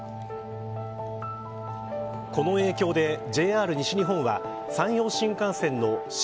この影響で、ＪＲ西日本は山陽新幹線の新